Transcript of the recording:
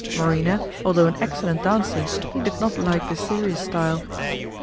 Marina, although an excellent dancer, did not like the serious style.